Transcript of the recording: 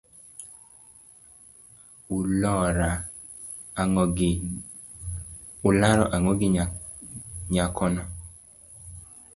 Ularo ang'o gi nyakono?